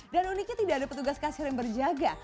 dan uniknya tidak ada petugas kasir yang berjaga